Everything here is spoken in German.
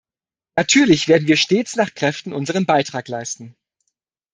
Natürlich werden wir stets nach Kräften unseren Beitrag leisten.